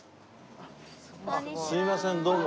すいませんどうも。